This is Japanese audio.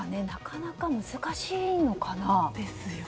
なかなか難しいのかな。